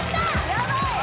やばい！